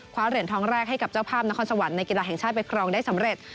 เหรียญทองแรกให้กับเจ้าภาพนครสวรรค์ในกีฬาแห่งชาติไปครองได้สำเร็จ